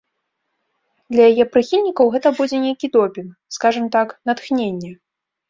Для яе прыхільнікаў гэта будзе нейкі допінг, скажам так, натхненне.